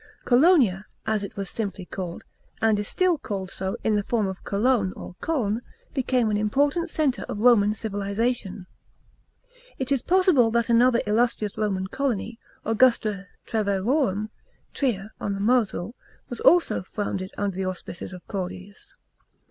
Colonia, as it was simply called — and is still called so in the form Cologne or C6ln — became an important centre of Roman civilisation. It is possible that another illustrious Roman colony, Augusta Treverorum — Trier on the Mosel — was also founded under the auspices of Claudius.